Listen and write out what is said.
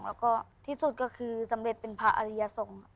แล้วก็ที่สุดก็คือสำเร็จเป็นพระอริยสงฆ์